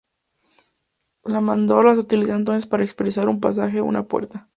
La mandorla se utiliza entonces para expresar un pasaje o una puerta.